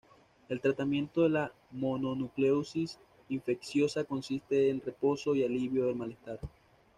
El tratamiento de la mononucleosis infecciosa consiste en reposo y alivio del malestar.